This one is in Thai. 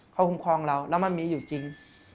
เขาคุ้มครองเราแล้วมันมีอยู่จริง